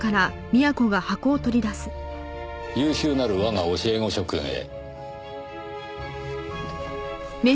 「優秀なる我が教え子諸君へ」